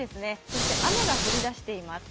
そして雨が降り出しています。